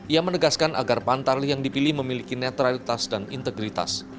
ia menegaskan agar pantarlih yang dipilih memiliki netralitas dan integritas